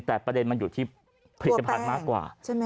แต่ประเด็นมันอยู่ที่ผลิตภัณฑ์มากกว่า